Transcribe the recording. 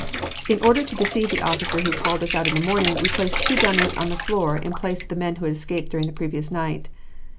In order to deceive the officer who called us out in the morning, we placed two dummies on the floor in place of the men who had escaped during the previous night.